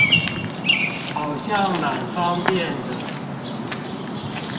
好像滿方便的